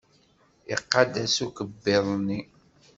Iqadd-as ukebbiḍ-nni?